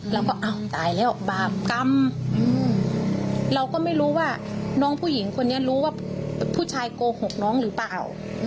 เราก็อ้าวตายแล้วบาปกรรมเราก็ไม่รู้ว่าน้องผู้หญิงคนนี้รู้ว่าผู้ชายโกหกน้องหรือเปล่า